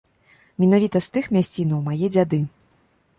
Менавіта з тых мясцінаў мае дзяды.